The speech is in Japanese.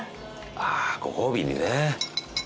ああご褒美にね。